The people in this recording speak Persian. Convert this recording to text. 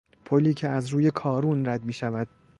پلی که از روی کارون رد میشود